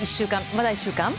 まだ１週間？